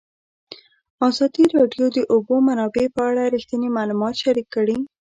ازادي راډیو د د اوبو منابع په اړه رښتیني معلومات شریک کړي.